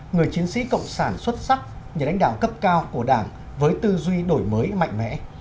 người chiến sĩ cộng sản xuất sắc nhà đánh đạo cấp cao của đảng với tư duy đổi mới mạnh mẽ